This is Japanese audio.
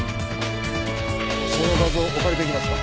その画像お借りできますか？